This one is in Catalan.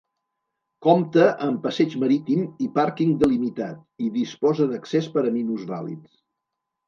Compta amb passeig marítim i pàrquing delimitat, i disposa d'accés per a minusvàlids.